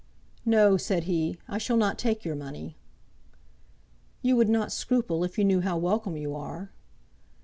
"No;" said he. "I shall not take your money." "You would not scruple, if you knew how welcome you are."